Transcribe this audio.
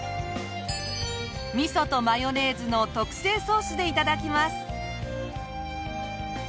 味噌とマヨネーズの特製ソースで頂きます。